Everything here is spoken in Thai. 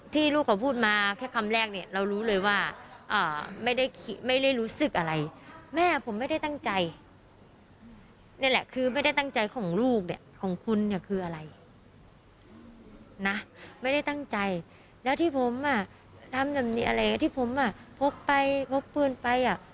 ทำแบบนี้อะไรที่ผมอะพกไปพกปืนไปอะ